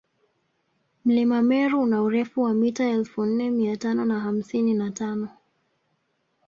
mlima meru una urefu wa mita elfu nne miatano na hamsini na tano